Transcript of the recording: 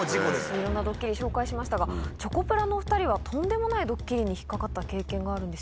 いろんなドッキリ紹介しましたがチョコプラのお２人はとんでもないドッキリに引っ掛かった経験があるんですよね？